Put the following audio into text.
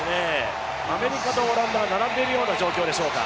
アメリカとオランダ、並んでいるような状況でしょうか。